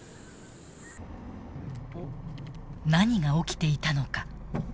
何が起きていたのか。